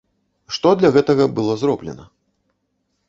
Што для гэтага было зроблена?